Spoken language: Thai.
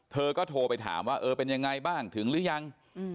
เธอก็โทรไปถามว่าเออเป็นยังไงบ้างถึงหรือยัง